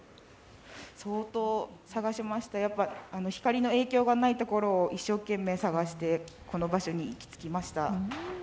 相当探しました、光の影響がないところを一生懸命探して、この場所に行き着きました。